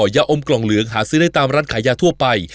ยาอมกล่องเหลืองหาซื้อได้ตามร้านขายยาทั่วไป